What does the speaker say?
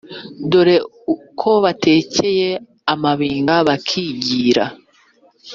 dore ko batekeye amabinga bakigira